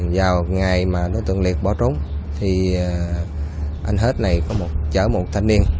vào ngày mà đối tượng liệt bỏ trốn thì anh hết này có một chở một thanh niên